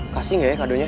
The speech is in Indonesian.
kasih gak ya kadonya